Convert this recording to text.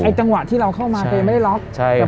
อ๋อไอ้จังหวะที่เราเข้าไปไม่ได้ล็อก